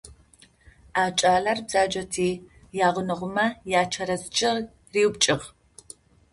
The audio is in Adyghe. А кӏалэр бзаджэти ягъунэгъумэ ячэрэз чъыг риупкӏыгъ.